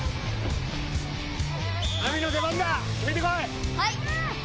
はい！